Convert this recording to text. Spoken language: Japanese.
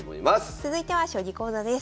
続いては将棋講座です。